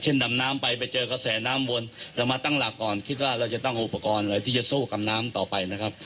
ดำน้ำไปไปเจอกระแสน้ำวนเรามาตั้งหลักก่อนคิดว่าเราจะต้องอุปกรณ์อะไรที่จะสู้กับน้ำต่อไปนะครับ